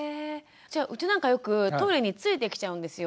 じゃうちなんかよくトイレについてきちゃうんですよ。